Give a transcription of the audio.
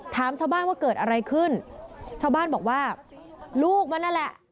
ถามชาวบ้านว่าเกิดอะไรขึ้นชาวบ้านบอกว่าลูกมันนั่นแหละ